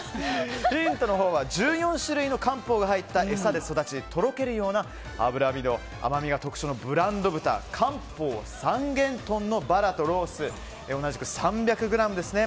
ヒントのほうは１４種類の漢方が入った餌で育ちとろけるような脂身の甘みが特徴のブランド豚漢方三元豚のバラとロース同じく３００ｇですね。